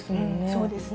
そうですね。